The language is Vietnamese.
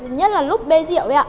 nhất là lúc bê diệu